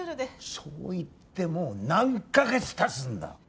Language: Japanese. そう言ってもう何か月たつんだ！